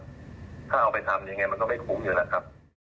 ถ้าเอาไปทำยังไงมันก็ไม่คุ้มอยู่แล้วครับ